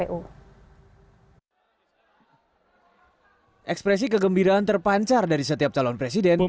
ekspresi kegembiraan terpancar dari setiap calon presiden